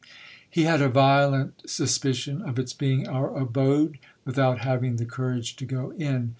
He had a violent suspicion of its being our abode, without having the courage to go in.